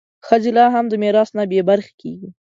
ښځې لا هم د میراث نه بې برخې کېږي.